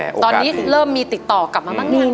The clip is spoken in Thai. ตอนนี้เริ่มมีติดต่อกลับมาป้ะมั้ยคะ